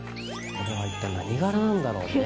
これは一体何柄なんだろうね。